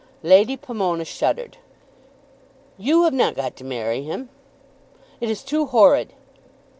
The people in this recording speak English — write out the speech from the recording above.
Lady Pomona shuddered. "You have not got to marry him." "It is too horrid."